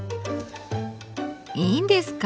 いいんですか？